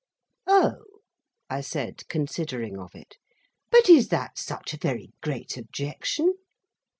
"O!" I said, considering of it. "But is that such a very great objection?"